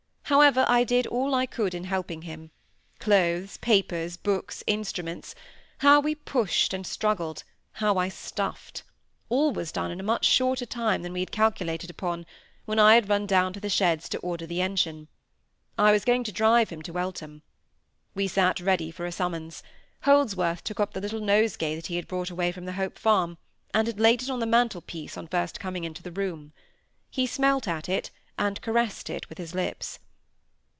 However, I did all I could in helping him: clothes, papers, books, instruments; how we pushed and struggled—how I stuffed. All was done in a much shorter time than we had calculated upon, when I had run down to the sheds to order the engine. I was going to drive him to Eltham. We sate ready for a summons. Holdsworth took up the little nosegay that he had brought away from the Hope Farm, and had laid on the mantel piece on first coming into the room. He smelt at it, and caressed it with his lips.